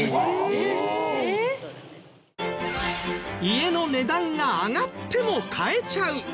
家の値段が上がっても買えちゃう。